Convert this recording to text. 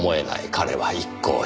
彼は一考した。